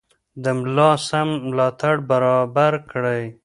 د ملا سم ملاتړ برابر کړئ.